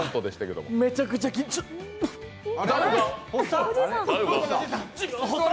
めちゃくちゃ緊張ゴホッ。